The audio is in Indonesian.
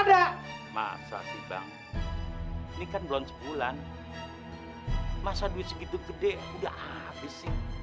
ada masa sih bang ini kan belum sebulan masa duit segitu gede udah habis sih